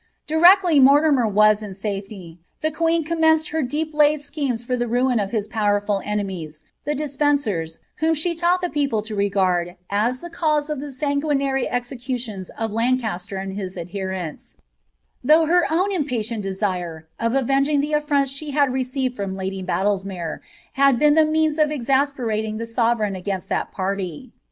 Directly Mortimer was in safety, the queen commenced her deep laid achemes for the ruin of his powerful enemies, the Despencers, whom she taught the people to regard as the cause of the sanguinary executions of Lancaster and his adherents ; though her own impatient desire of avenging the affronts she had received from lady Badlesmere, had been the means of exasperating the sovereign against that party.